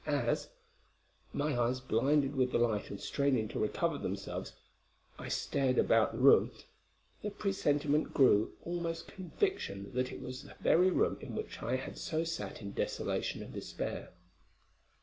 As my eyes blinded with the light and straining to recover themselves I stared about the room, the presentiment grew almost conviction that it was the very room in which I had so sat in desolation and despair.